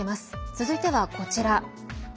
続いてはこちら。